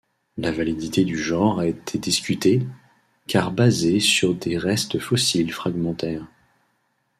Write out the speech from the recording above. La validité du genre a été discutée, car basée sur des restes fossiles fragmentaires.